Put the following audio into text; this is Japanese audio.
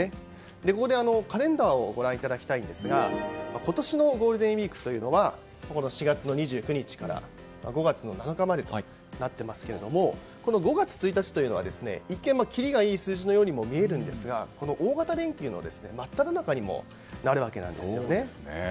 ここでカレンダーをご覧いただきたいんですが今年のゴールデンウィークは４月２９日から５月７日までとなっていますけれどもこの５月１日というのは一見きりがいい数字に見えますが大型連休の真っただ中にもなるわけなんですよね。